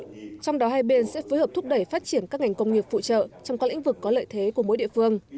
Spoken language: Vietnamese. trong đó hai bên sẽ phối hợp thúc đẩy phát triển các ngành công nghiệp phụ trợ trong các lĩnh vực có lợi thế của mỗi địa phương